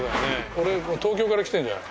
俺東京から来てるじゃない？